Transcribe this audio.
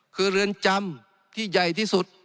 คือเรือนจำที่ใหญ่ที่สุด